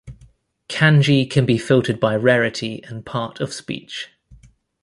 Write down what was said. Kanji can be filtered by rarity and part of speech.